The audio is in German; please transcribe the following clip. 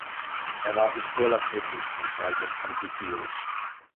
Er war Hisbollah-kritisch und galt als anti-syrisch.